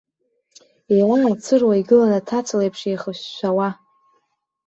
Еилаарцыруа игылан аҭаца леиԥш еихышәшәауа.